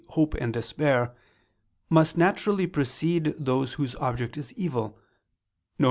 hope and despair, must naturally precede those whose object is evil, viz.